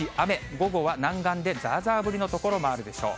午後は南岸でざーざー降りの所もあるでしょう。